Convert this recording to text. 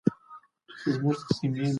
د وزې غوښه سپکه ده.